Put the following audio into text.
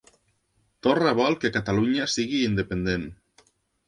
Torra vol que Catalunya sigui independent